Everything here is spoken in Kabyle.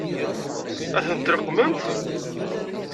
Ad tent-tleqqmemt?